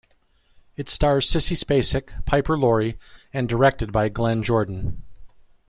It stars Sissy Spacek, Piper Laurie and directed by Glenn Jordan.